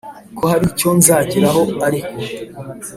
ko haricyo nzageraho ariko